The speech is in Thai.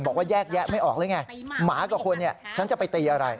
บอกว่าแยกแยะไม่ออกหรือไงหมากับคุณเนี่ยฉันจะไปตีอะไร